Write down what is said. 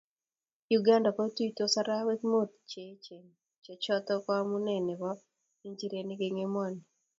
Uganda kotuitos araraiyweek muut cheechen che chotok ko amunee neo nebo injireniik eng emoni